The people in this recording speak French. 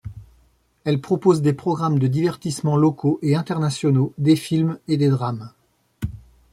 Elle propose des programmes de divertissements locaux et internationaux, des films et des drames.